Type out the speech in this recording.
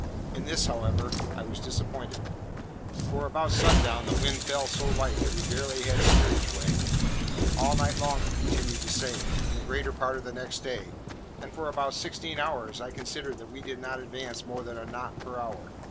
In this, however, I was disappointed; for about sundown the wind fell so light that we barely had steerage way. All night long it continued the same, and the greater part of next day; and for about sixteen hours I considered that we did not advance more than a knot per hour.